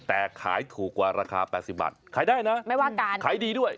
แต่ขายถูกกว่าราคา๘๐บาทขายได้นะขายดีด้วย